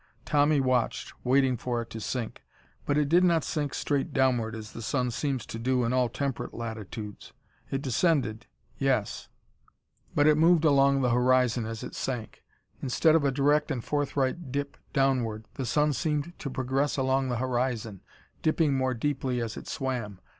Tommy watched, waiting for it to sink. But it did not sink straight downward as the sun seems to do in all temperate latitudes. It descended, yes, but it moved along the horizon as it sank. Instead of a direct and forthright dip downward, the sun seemed to progress along the horizon, dipping more deeply as it swam.